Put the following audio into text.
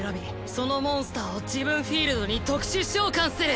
そのモンスターを自分フィールドに特殊召喚する。